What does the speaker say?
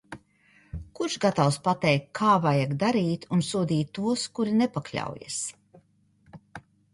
Kurš gatavs pateikt, kā vajag darīt un sodīt tos, kuri nepakļaujas.